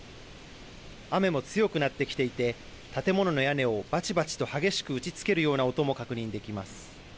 雨も強くなってきていて建物の屋根をばちばちと激しく打ちつけるような音も確認できます。